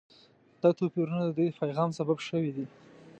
دا توپیرونه د دوی د پیغام سبب شوي دي.